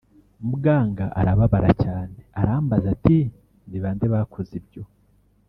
Muganga arababara cyane arambaza ati ’ ni bande bakoze ibyo